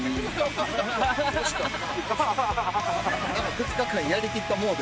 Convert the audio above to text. ２日間やりきったモード。